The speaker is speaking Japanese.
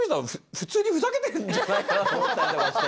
普通にふざけているんじゃないかなと思ったりもして。